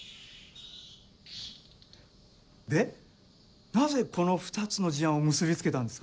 でなぜこの２つの事案を結び付けたんですか？